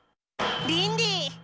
リンディ！